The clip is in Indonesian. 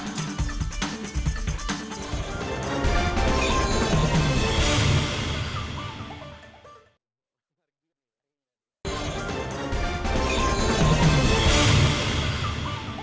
tentang aksi superdamai